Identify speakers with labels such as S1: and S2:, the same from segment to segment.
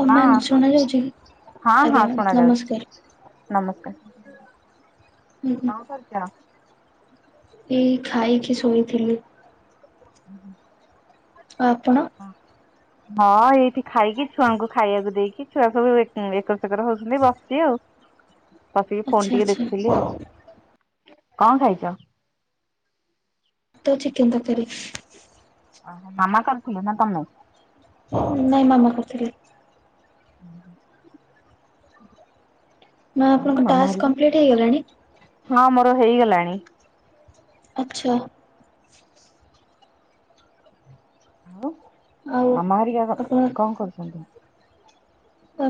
S1: ଓ
S2: ହଁ,
S1: ମ୍ୟାମ୍ ଶୁଣାଯାଉଛି କି?
S2: ହଁ,
S1: ଆଜ୍ଞା
S2: ହଁ,
S1: ମ୍ୟାମ୍ ନମସ୍କାର।
S2: ଶୁଣାଯାଉଛି। ନମସ୍କାର କଣ କରଛ?
S1: ଏଇ ଖାଇକି ଶୋଇଥିଲି।
S2: [inaudible]
S1: ଆଉ ଆପଣ?
S2: ହଁ, ଏଇଠି ଖାଇକି ଛୁଆଙ୍କୁ ଖାଇବାକୁ ଦେଇକି ଛୁଆ ସବୁ ଏକର ସେକର ହଉ ବସିଛି ଆଉ ବସିକି
S1: ଆଚ୍ଛା
S2: ଫୋନ ଟିକେ
S1: ଆଚ୍ଛା
S2: ଦେଖୁଥିଲି ଆଉ। କଣ ଖାଇଛ?
S1: ତ ଚିକେନ ତରକାରୀ।
S2: ଓହୋ, ମାମା କରିଥିଲେ ନା ତମେ?
S1: ନାଇଁ ମାମା କରିଥିଲେ।
S2: [inaudible]
S1: ମା
S2: ଆଉ
S1: ଆପଣଙ୍କ
S2: ମାମା
S1: ଟାସ୍କ କମ୍ପ୍ଲିଟ୍ ହେଇଗଲାଣି?
S2: ହେରିକା ହଁ, ମୋର ହେଇଗଲାଣି
S1: ଆଚ୍ଛା।
S2: ଆଉ
S1: ଆଉ
S2: ମାମା ହେରିକା
S1: ଆପଣ
S2: କଣ କରୁଛନ୍ତି?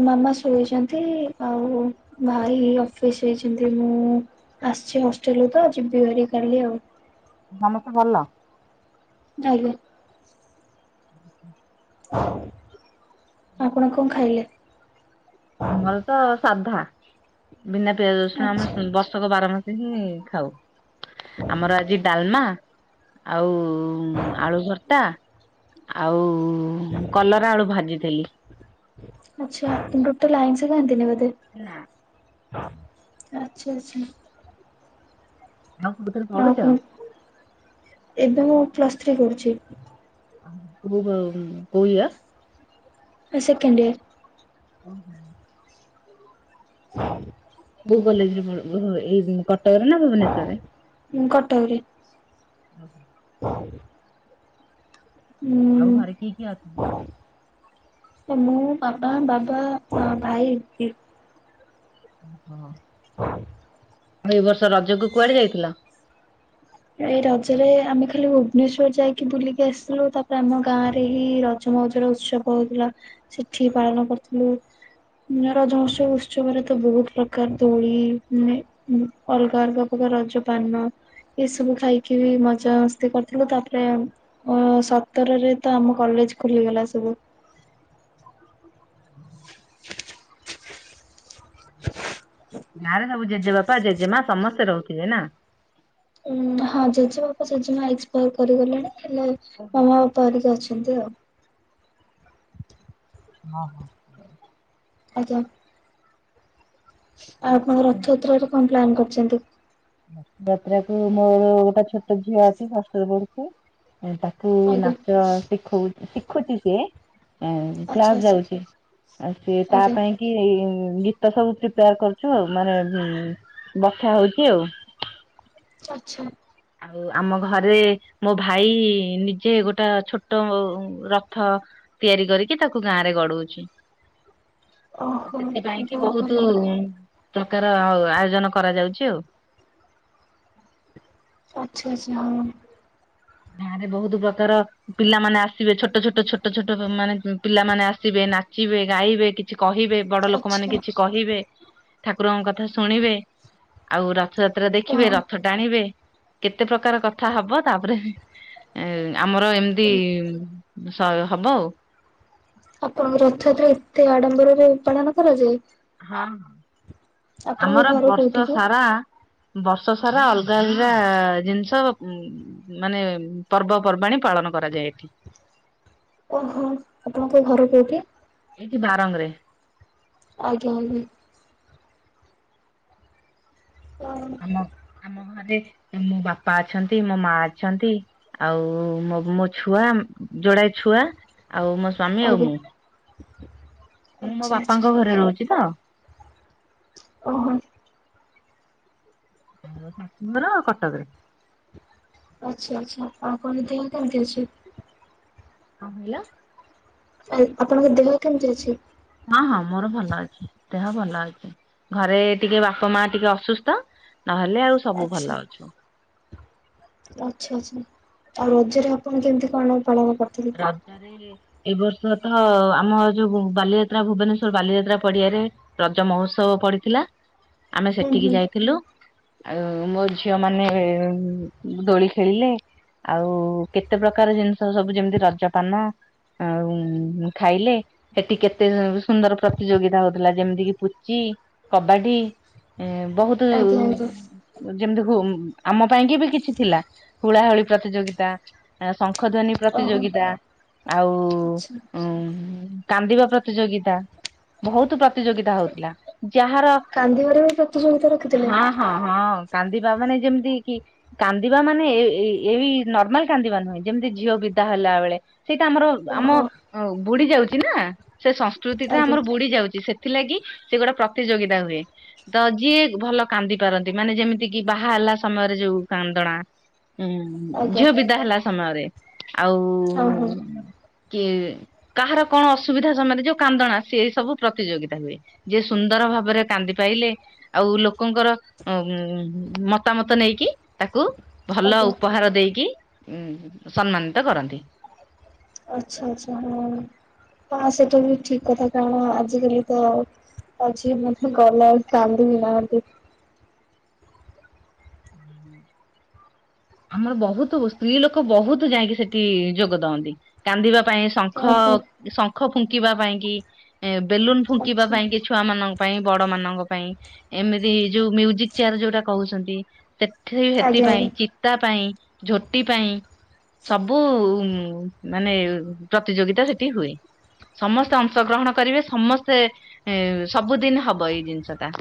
S1: ମାମା ଶୋଇଛନ୍ତି ଆଉ ଭାଇ ଅଫିସ ଯାଇଛନ୍ତି ମୁଁ ଆସିଛି ହଷ୍ଟେଲରୁ ତ ଯିବି [unintelligible] କାଲି ଆଉ।
S2: ସମସ୍ତେ ଭଲ?
S1: ଆଜ୍ଞା।
S2: [inaudible]
S1: ଆପଣ କଣ ଖାଇଲେ?
S2: ଆମର ତ ସାଧା ବିନା ପିଆଜ, ରସୁଣ
S1: ଆଚ୍ଛା
S2: ଆମ ବର୍ଷକ ବାର ମା ଖାଉ ଆମର ଆଜି ଡାଲମା ଆଉ ଆଳୁ ଭର୍ତା ଆଉ କଲରା ଆଳୁ ଭାଜିଥିଲି
S1: ଆଚ୍ଛା। ଟୋଟାଲି ଆଇଁଷ ଖାଆନ୍ତିନି ବୋଧେ? ଆଚ୍ଛା। ଆଚ୍ଛା।
S2: ଆଉ କୋଉଥିରେ
S1: ଆ
S2: ପଢୁଛ?
S1: ଆପଣ ଏବେ ମୁ ପ୍ଲସ୍ ଥ୍ରୀ କରୁଛି
S2: କୋ କୋଉ ୟର୍?
S1: ସେକଣ୍ଡ ଇୟର
S2: [inaudible]
S1: [unintelligible]
S2: ବୋ କଲେଜରେ ଏଇ କଟକରେ ନା ଭୁବନେଶ୍ଵରରେ
S1: ହଁ କଟକରେ
S2: [inaudible] ଆଉ ଘରେ
S1: ହୁଁ
S2: କିଏ କି ଆଛ
S1: ମୁଁ ବାପା ବାବା ଭାଇ
S2: [inaudible]
S1: [inaudible]
S2: ହଉ ଏ ବର୍ଷ ରଜ କ କୁଆଡେ ଯାଇଥିଲା
S1: ଏ ରଜରେ ଆମେ ଖାଲି ଭୁବନେଶ୍ଵର ଯାଇକି ବୁଲିକି ଆସିଥିଲୁ ତାପରେ ଆମ ଗାଁରେ ହିଁ ମଜର ଉତ୍ସବ ହଉଥିଲା ସେଠି ପାଳନ କରୁଥିଲୁ ନା ରଜହସ ଉତ୍ସବରେ ତ ବହୁତ ପ୍ରକାର ଦୋଳି ନେ ହୁଁ ଅଲଗା ଅଲଗା ପ୍ରକାର ରଜ ପାନ। ଏସବୁ ଖାଇକି ବି ମଜା ମସ୍ତି କରିଥିଲୁ ତାପରେ। ଓ ସତର ରେ ତ ଆମ କଲେଜ ଖୋଲିଗଲା ସବୁ‌। [unintelligible]
S2: ଗାଁ ରେ ସବୁ ଜେଜେ ବାପା ଜେଜେ ମା ସମସ୍ତେ ରହୁଥିବେ ନା।
S1: ଉଁ ହଁ ଜେଜେ ବାପା ଜେଜେ ମା ଏକ୍ସପାର କରି ଗଲେଣି ହେଲେ
S2: ଓହୋ।
S1: ମ ମୋ। ପଡିକି ଅଛନ୍ତି ଆଉ।
S2: ଅ ହଁ।
S1: ଆଜ୍ଞା। ଆଉ ଆପଣ ରଥଯାତ୍ରରେ କଣ ପ୍ଲାନ୍ କରିଛନ୍ତି।
S2: ରଥ ଯାତ୍ରା କୁ ମୋର ଗୋଟା ଛୋଟ ଝିଅ ଅଛି ଷଷ୍ଟ ରେ ପଢୁଛି ତା କୁ
S1: ଆଜ୍ଞା
S2: ନାଚ ଶିଖଉ ଶିଖୁଛି ସିଏ। ଆଉ
S1: ଆଚ୍ଛା
S2: କ୍ଲାସ
S1: ଆଚ୍ଛା
S2: ଯାଉଛି ଆଉ ସେ ତା
S1: ଆଜ୍ଞା
S2: ପାଇଁ। କି ଏଇ ଗୀତ ସବୁ ପ୍ରିପୋୟାର କରୁଛୁ ଆଉ ମାନେ ବଛା ହଉଛି ଆଉ।
S1: ଆଚ୍ଛା ଆଛା।
S2: ଆଉ ଆମ ଘରେ। ମୋ ଭାଇ ନିଜେ ଗୋଟା ଛୋଟ ରଥ‌। ତିଆରି କରିକି ତାକୁ ଗାଁ ରେ ଗଡଉଛି।
S1: ଓହୋ
S2: ସେଥିପାଇଁ କି
S1: ଭଲ
S2: ବହୁତ ପ୍ରକାର ଆୟୋଜନ କରାଯାଉଛି ଆଉ।
S1: ଆଚ୍ଛା ଆଚ୍ଛା ହଁ।
S2: ଗଁରେ ବହୁତ ପ୍ରକାର। ପିଲାମାନେ ଆସିବେ ଛୋଟ ଛୋଟ ଛୋଟ ଛୋଟ ମାନେ ପିଲାମାନେ ଆସିବେ ନାଚିବେ ଗାଇବେ କିଛି କହିବେ‌। ବଡ ଲୋକ ମାନେ
S1: ଆଚ୍ଛା
S2: କିଛି କହିବେ ଠାକୁରଙ୍କ କଥା ଶୁଣିବେ। ଆଉ ରଥଯାତ୍ରା ଦେଖିବେ ରଥ
S1: ଓହୋ।
S2: ଟାଣିବେ କେତେ ପ୍ରକାର କଥା ହବ ତାପରେ। ଏ ଆମର ଏମିତି ସ ହବ ଆଉ‌।
S1: ଆପଣଙ୍କ ରଥଯାତ୍ରା ଏତେ ଆଡମ୍ବରରେ ପାଳନ କରାଯାଏ।
S2: ହଁ
S1: ଆପଣଙ୍କ
S2: ଆମର
S1: ଘର କୋଉଠି
S2: ବର୍ଷ
S1: କି?
S2: ସାରା‌। ବର୍ଷ ସାରା ଅଲଗା ଅଲଗା ଜିନିଷ ଉଁ ମାନେ ପର୍ବ ପର୍ବାଣୀ ପାଳନ କରାଯାଏ ଏଠି‌।
S1: ଓ ହୋ ଆପଣଙ୍କ ଘର କେୋଉଠି‌।
S2: ଏଇଠି ବାରଙ୍ଗ ରେ‌।
S1: ଆଜ୍ଞା ଆଜ୍ଞା। କଣ।
S2: ଆମ ଆମ ଘରେ ମୋ ବାପା ଅଛନ୍ତି ମୋ ମା ଅଛନ୍ତି। ଆଉ ମୋ ମୋ ଛୁଆ ଯୋଡାଏ ଛୁଆ ଆଉ ମୋ ସ୍ଵାମୀ ଆଉ
S1: ଆଜ୍ଞା
S2: ମୁଁ। ମୁଁ ମୋ
S1: ଆଚ୍ଛା ଆଚ୍ଛା
S2: ବାପାଙ୍କ ଘରେ ରହୁଛି ତ।
S1: ଓ ହୋ।
S2: ମୋ ଶାଶୁ ଘର କଟକ ରେ।
S1: ଆଚ୍ଛା ଆଚ୍ଛା ଆଉ ଆପଣ ଙ୍କ ଦେହ କେମିତି ଅଛି?
S2: କଣ କହିଲ?
S1: କଇ ଆପଣଙ୍କ ଦେହ କେମିତି ଅଛି?
S2: ହଁ ହଁ ମୋର ଭଲ ଅଛି ଦେହ ଭଲ ଅଛି। ଘରେ ଟିକେ ବାପା ମା ଟିକେ ଅସୁସ୍ଥ ନହେଲେ ଆଉ ସବୁ ଭଲ ଅଛୁ।
S1: ଆଛା ଆଛା ଆଉ ରଜରେ ଆପଣ କେମିତି କଣ ପାଳନ କରିଥିଲେ?
S2: ରଜରେ ଏ ବର୍ଷ ତ ଆମ ଯୋଉ ବାଲିଯାତ୍ରା ଭୁବନେଶ୍ଵର ବାଲିଯାତ୍ରା ପଡିଆରେ। ରଜ ମହୋତ୍ସବ ପଡିଥିଲା ଆମେ
S1: ହୁଁ
S2: ସେଠିକି
S1: ହୁଁ
S2: ଯାଇଥିଲୁ। ଆଉ ମୋ ଝିଅ ମାନେ ଦୋଳି ଖେଳିଲେ। ଆଉ କେତେ ପ୍ରକାର ଜିନିଷ ସବୁ ଯେମିତି ରଜପାନ। ଆଉ ଖାଇଲେ। ସେଠି କେତେ ସୁନ୍ଦର ପ୍ରତିଯୋଗିତା ହଉଥିଲା ଯେମିତି କିି ପୁଚି, କବାଡି। ଏ ବହୁତ
S1: ଆଜ୍ଞା ଆଜ୍ଞା
S2: ଯେମିତି ଆମ ପାଇଁ କି ବି କିଛି ଥିଲା ହୁଳାହୁଳି ପ୍ରତିଯୋଗିତା। ଶଙ୍ଖ ଧ୍ୱନି
S1: ଓହୋ
S2: ପ୍ରତିଯୋଗିତା।
S1: ଆଚ୍ଛା।
S2: ଆଉ କାନ୍ଦିବା ପ୍ରତିଯୋଗିତା। ବହୁତ ପ୍ରତିଯୋଗିତା ହଉଥିଲା ଯାହାର
S1: କାନ୍ଦିିବାର ବି ପ୍ରତିଯୋଗିତା ରଖିଥିଲେ?
S2: ହଁ ହଁ ହଁ କାନ୍ଦିବା ମାନେ ଯେମିତି କି କାନ୍ଦିବା ମାନେ ଏଇ ନର୍ମାଲ କାନ୍ଦିବା ନୁହେଁ ଯେମିତି ଝିଅ ବି ହେଲା ବେଳେ ସେଇଟା ଆମର ଆମ
S1: ଓହୋ
S2: ବୁଡି ଯାଉଛି ନା ସେ କୃତି ଟା
S1: ଆଜ୍ଞା।
S2: ଆମର ବୁଡି ଯାଉଛି ସେଥିଲାଗି ସେ ଗୋଟେ ପ୍ରତିଯୋଗିତା ହୁଏ। ତ ଯିଏ ଭଲ କାନ୍ଦି ପାରନ୍ତି, ମାନେ ଯେମିତି କିି ବାହା ହେଲା ସମୟରେ ଯୋଉ କାନ୍ଦଣା। ହୁଁ
S1: ଆଜ୍ଞା
S2: ଝିଅ ବିଦା ହେଲା ସମୟରେ। ଆଉ
S1: ହଁ ହଁ
S2: କିଏ କାହାର କଣ ଅସୁବିଧା ସମୟରେ ଯୋଉ କାନ୍ଦଣା ସେ ଏଇ ସବୁ ପ୍ରତିଯୋଗିତା ହୁଏ। ଯିଏ ସୁନ୍ଦର ଭାବରେ କାନ୍ଦି ପାଇଲେ। ଆଉ ଲୋକଙ୍କର ମତାମତ ନେଇକି ତାକୁ ଭଲ
S1: ଆଜ୍ଞା
S2: ଉପହାର ଦେଇକି ଉ ସମ୍ମାନିତ କରନ୍ତି।
S1: ଆଚଛା ଆଚଛା ହଁ ହଁ ସେଟା ବି ଠିକ କଥା କାରଣ ଆଜିକାଲି ତ ଆଛି ମତେ ଗଲା ଆଉ କାନ୍ଦ ବିି ନାହାନ୍ତି।
S2: ଆମର ବହୁତ ସ୍ତ୍ରୀ ଲୋକ ବହୁତ ଯାଇକି ସେଠି ଯୋଗ ଦଅନ୍ତି କାନ୍ଦିବା ପାଇଁ ସ
S1: ଓହୋ
S2: ଶଙ୍ଖ ଫୁଙ୍କିବା ପାଇଁକି ବେଲୁନ ଫୁଙ୍କିବା
S1: ଆଚ୍ଛା।
S2: ପାଇଁକି ଛୁଆ ମାନଙ୍କ ପାଇଁ ବଡ ମାନଙ୍କ ପାଇଁ ଏମିତି ଯୋଉ ମ୍ୟୁଜିକ ଚେୟାର ଯୋଉଟା କହୁଛନ୍ତି ସେ ସେଥି
S1: ଆଜ୍ଞା
S2: ପାଇଁ
S1: ଆଜ୍ଞା
S2: ଚିତା ପାଇଁ ଝୋଟି ପାଇଁ। ସବୁ ମାନେ ପ୍ରତିଯୋଗିତା ସେଠି ହୁଏ। ସମସ୍ତେ ଅଂଶଗ୍ରହଣ କରିବେ ସମସ୍ତେ ଏ ସବୁଦିନ ହବ ଏଇ ଜିନିଷ ଟା।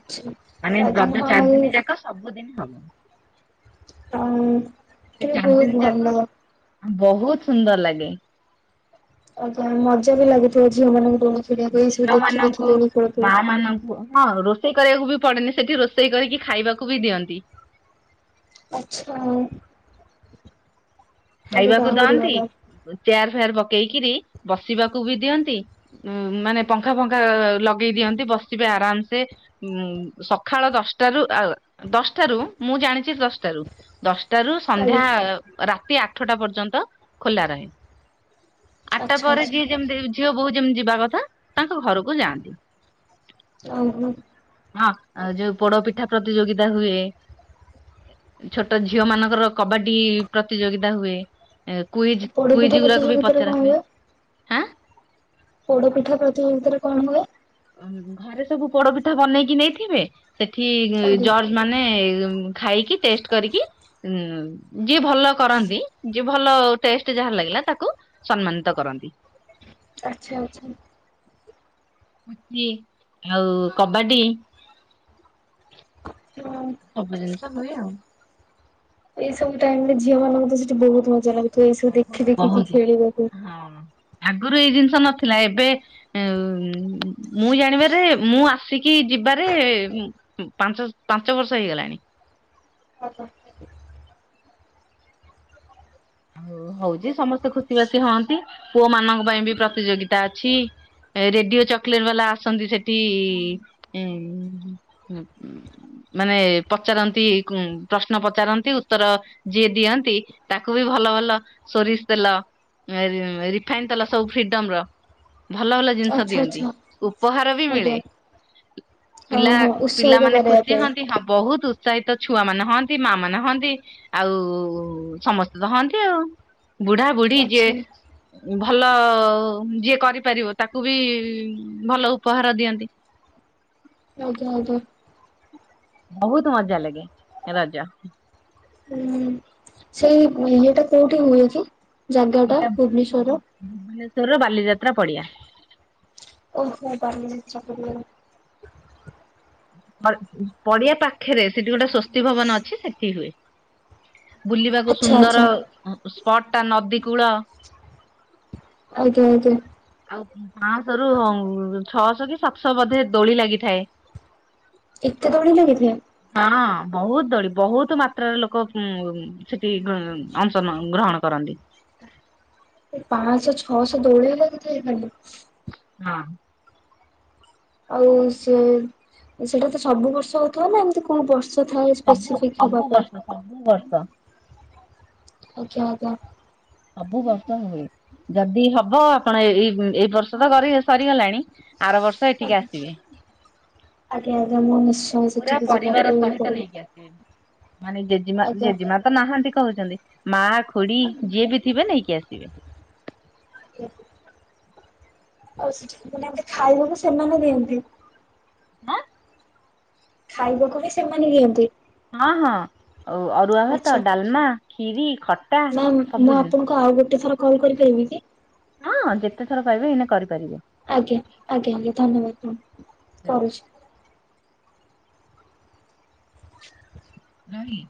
S1: ଆଛା।
S2: ମାନେ ରଜ ଚାରି ଦିନ ଯାକ ସବୁଦିନ ହବ।
S1: ଆଉ
S2: ସେ
S1: ଟ
S2: ଚାରି ଦିନ
S1: ବହୁତ
S2: ଯାକ
S1: ଭଲ।
S2: ବହୁତ ସୁନ୍ଦର ଲାଗେ।
S1: ଆଜ୍ଞା ମଜା ବି ଲାଗିଥିବ ଝିଅ ମାନଙ୍କୁ। ଖେଳିବାକୁ ଏଇ ସବୁ
S2: ଝିଅ
S1: ଦେଖି ଦେଖି
S2: ମାନଙ୍କୁ
S1: ଦୋଳି ଖେଳୁଥିବେ।
S2: ମା ମାନଙ୍କୁ ହଁ ରୋଷେଇ ରୋଷେଇ କରିବାକୁ ବି ପଡେନି ସେଠି ରୋଷେଇ କରିକି ଖାଇବାକୁ ବି ଦିଅନ୍ତି।
S1: ଆଛା। ତ
S2: ଖାଇବାକୁ
S1: ଆହୁରି
S2: ଦଅନ୍ତି
S1: ଭଲ
S2: ଚେୟାର ଫେୟାର ପକେଇକିରି ବସିବାକୁ ବି ଦିଅନ୍ତି। ଉ ମାନେ ପଙ୍ଖା ଫଙ୍ଖା ଲଗେଇ ଦିଅନ୍ତି ବସିବେ ଆରାମ ସେ। ଉଁ ସଖାଳ ଦଶଟାରୁ ଆ ଦଶଟାରୁ ମୁଁ ଜାଣିଛି ଦଶଟାରୁ। ଦଶଟାରୁ ସନ୍ଧ୍ୟା
S1: ଆଜ୍ଞା
S2: ରାତି ଆଠଟା ପର୍ଯ୍ୟନ୍ତ ଖୋଲା ରହେ। ଆଠଟା
S1: ଆଚ୍ଛା
S2: ପରେ
S1: ଆଚ୍ଛା
S2: ଯିଏ ଯେମିତି ଝିଅ ବୋହୁ ଯେମିତି ଯିବା କଥା ତାଙ୍କ ଘରକୁ ଯାଆନ୍ତି।
S1: ଉଁଁ ହୁଁ।
S2: ହଁ ଯୋଉ ପୋଡ଼ପିଠା ପ୍ରତିଯୋଗିତା ହୁଏ। ଛୋଟ ଝିଅ ମାନଙ୍କର କବାଡି ପ୍ରତିଯୋଗିତା ହୁଏ। କୁଇଜ
S1: ପୋଡପିଠା
S2: କୁଇଜ ଗୁରାକୁ ବି
S1: ପ୍ରତିଯୋଗିତାରେ କଣ
S2: ପଚାରନ୍ତି।
S1: ପୋଡ଼ପିଠା ପ୍ରତିଯୋଗିତାରେ କଣ ହୁଏ?
S2: ଘରେ ସବୁ ପୋଡ଼ପିଠା ବନେଇକି ନେଇଥିବେ ସେଠି ଇ ଇ
S1: ଆଜ୍ଞା
S2: ଜର୍ଜ ମାନେ ଖାଇକି ଟେଷ୍ଟ କରିକି ଉଁ ଯିଏ ଭଲ କରନ୍ତି ଯିଏ ଭଲ ଟେଷ୍ଟ ଯାହାର ଲାଗିଲା ତାକୁ ସମ୍ମାନିତ କରନ୍ତି।
S1: ଆଚ୍ଛା ଆଛା।
S2: ପୁଚି ଆଉ କବାଡି।
S1: [unintelligible]
S2: ସବୁ ଜିନିଷ ହୁଏ ଆଉ।
S1: ଏଇ ସବୁ ଟାଇମ ରେ ଝିଅ ମାନଙ୍କୁ ତ ସେଠି ବହୁତ ମଜା ଲାଗୁଥିବ। ଏଇ ସବୁ ଦେଖି ଦେଖିକି
S2: ବହୁତ
S1: ଖେଳିବାକୁ।
S2: ହଁ। ଆଗରୁ ଏଇ ଜିନିଷ ନଥିଲା ଏବେ ଆମ୍ ଉ ମୁଁ ଜାଣିବାରେ ମୁଁ ଆସିକି ଯିବାରେ ଏମ୍ ପାଞ୍ଚଶ୍ ପାଞ୍ଚ ବର୍ଷ ହେଇଗଲାଣି।
S1: ଆଚ୍ଛା
S2: ହଉ ହଉଛି ସମସ୍ତେ ଖୁସି ବାସି ହଅନ୍ତି ପୁଅ ମାନଙ୍କ ପାଇଁ ବି ପ୍ରତିଯୋଗିତା ଅଛି। ରେଡିଓ ଚକୋଲେଟ୍ ବାଲା ଆସନ୍ତି ସେଠି ଇ ଏନ୍ ଉଁ ମାନେ ପଚାରନ୍ତି ଉଁ ପ୍ରଶ୍ନ ପଚାରନ୍ତି। ଉତ୍ତର ଯିଏ ଦିଅନ୍ତି ତା ବି ଭଲ ଭଲ ସୋରିଷ ତେଲ, ରି ରି ରିଫାଇନ ତେଲ ସବୁ ଫ୍ରିଡମ ର ଭଲ ଭଲ ଜିନିଷ ଦିଅନ୍ତି
S1: ଆଚ୍ଛା
S2: ଉପହାର ବି ମିଳେ।
S1: ଆଜ୍ଞା ହଁ
S2: ପିଲା
S1: ହଁ ଉତ୍ସାହିତ
S2: ପିଲାମାନେ
S1: କରିବା
S2: ଖୁସି
S1: ପାଇଁ
S2: ହୁଅନ୍ତି ହଁ ବହୁତ ସହିତ ଛୁଆ ମାନେ ହଅନ୍ତି, ମା ମାନେ ହଅନ୍ତି, ଆଉ ସମସ୍ତେ ତ ହଅନ୍ତି ଆଉ। ବୁଢ଼ା ବୁଢ଼ୀ ଯିଏ
S1: ଆଚ୍ଛା
S2: ଭଲ ଅ ଅ ଯିଏ କରିପାରିବ ତାକୁ ବି ଇ ଇ ଭଲ ଉପହାର ଦିଅନ୍ତି।
S1: ଆଜ୍ଞା ଆଜ୍ଞା।
S2: ବହୁତ ମଜା ଲାଗେ ରଜ।
S1: [unintelligible] ସେଇ ଇଏଟା କୋଉଠି ହୁଏ କି? ଜାଗା ଟା
S2: ଏଇଟା
S1: ଭୁବନେଶ୍ଵରର?
S2: ଭୁବ ଭୁବନେଶ୍ଵରର ବାଲିଯାତ୍ରା ପଡ଼ିଆ।
S1: ଓହୋ [unintelligible]
S2: ପଡ ଆଁ ପଡିଆ ପାଖରେ ସେଠି ଗୋଟେ ସ୍ଵସ୍ତି ଭବନ ଅଛି ସେଠି ହୁଏ। ବୁଲିବାକୁ
S1: ଆଚ୍ଛା
S2: ସୁନ୍ଦର,
S1: ଆଚ୍ଛା
S2: ସ୍ପଟ ଟା ନଦୀ କୂଳ।
S1: ଆଜ୍ଞା ଆଜ୍ଞା।
S2: ଆଉ ପାଞ୍ଚଶହରୁ ଛଅଶହ କି ସାତଶହ ବୋଧେ ଦୋଳି ଲାଗିଥାଏ।
S1: ଏତେ ଦୋଳିି ଲାଗିଥାଏ?
S2: ହଁ ବହୁତ ଦୋଳି, ବହୁତ ମାତ୍ରାରେ, ଲୋକ ଉଁ ଉଁ ସେଠି ଉଁ ଅଂଶ ଗ୍ରହନ୍ ଗ୍ରହଣ କରନ୍ତି।
S1: ପାଞ୍ଚଶହ ଛଅଶହ ଦୋଳି ଲାଗିଥାଏ ଖାଲି।
S2: [unintelligible]
S1: ଆଉ ସେ ସେଟା ତ ସବୁ ବର୍ଷ ହଉଥିବ ନା ଏମ୍ ଏତେ କୋଉ ବର୍ଷ ଥାଏ
S2: ସବୁ
S1: ସ୍ପେସିଫିକ୍ ହବା
S2: ସବୁ
S1: ପାଇଁ।
S2: [unintelligible]
S1: ଆଜ୍ଞା ଆଜ୍ଞା।
S2: ସବୁ ବର୍ଷ ହୁଏ ଯଦି ହବ ଆପଣ ଏଇ ଏଇ ବର୍ଷ ତ ସରିଗଲାଣି। ଆର ବର୍ଷ ଏଠିକି ଆସିବେ।
S1: ଆଜ୍ଞା ଆଜ୍ଞା ମୁଁ ନିଶ୍ଚି
S2: ପୁରା ପରିବାର ସହିତ ନେଇକି ଆସିବେ। ମାନେ ଜେଜେମା
S1: ଆଜ୍ଞା।
S2: ଜେଜେମା ତ ନାହାନ୍ତି କହୁଚନ୍ତି। ମା, ଖୁଡି ଯିଏ ବି ଥିବେ ନେଇକି ଆସିବେ।
S1: [inaudible] ଆଉ ସେଠି ମାନେ ଖାଇବୁକି ସେମାନେ ଦିଅନ୍ତି।
S2: ଆଁ
S1: ଖାଇବାକୁ ବି ସେମାନେ ଦିଅନ୍ତି।
S2: ହଁ ହଁ ଅରୁଆ ଭାତ, ଡାଲମା, କ୍ଷୀରି, ଖଟ
S1: ମ ମୁଁ ଆପଣଙ୍କୁ ଆଉ ଗୋଟେ ଥର କଲ୍ କରିପାରିବି କି?
S2: ହଁ ଯେତେ ଥର ପାଇବେ ଏଇନା କରିପାରିବେ।
S1: ଆଜ୍ଞା ଆଜ୍ଞା ଆଜ୍ଞା ଧନ୍ୟବାଦ କରୁଛି।
S2: ନାହିଁ